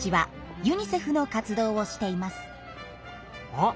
あっ！